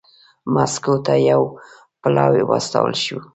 مسکو ته یو پلاوی واستول شو.